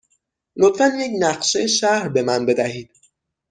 لطفاً یک نقشه شهر به من بدهید.